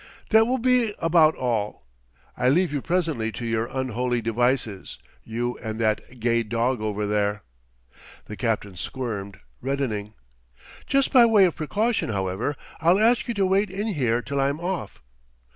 "That will be about all. I leave you presently to your unholy devices, you and that gay dog, over there." The captain squirmed, reddening. "Just by way of precaution, however, I'll ask you to wait in here till I'm off."